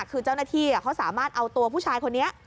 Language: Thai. คือเจ้าหน้าที่เขาสามารถเอาตัวผู้ชายคนนี้